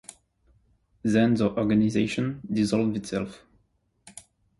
Then the organization dissolved itself.